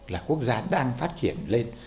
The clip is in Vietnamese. là quốc gia đang phát triển lên